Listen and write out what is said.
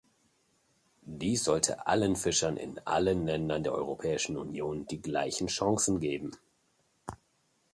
Dies sollte allen Fischern in allen Ländern der Europäischen Union die gleichen Chancen geben.